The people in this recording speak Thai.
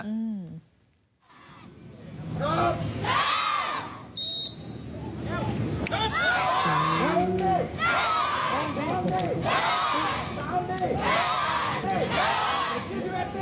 เริ่มครับ